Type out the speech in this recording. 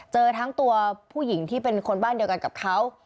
เจอทั้งตัวผู้หญิงที่เป็นคนบ้านเดียวกันกับเขา